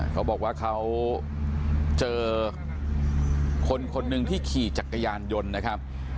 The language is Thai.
เขาบอกว่าเขาเจอคนคนหนึ่งที่ขี่จักรยานยนต์นะครับ